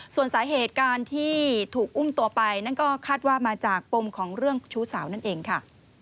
ส่วนสาเหตุการที่ถูกอุ้มตัวไปนั่นก็คาดว่ามาจากปมของเรื่องชู้สาวนั่นเองค่ะ